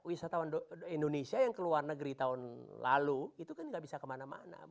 wisatawan indonesia yang keluar negeri tahun lalu itu kan gak bisa kemana mana